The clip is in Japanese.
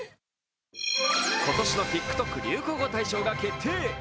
今年のＴｉｋＴｏｋ流行語大賞が決定。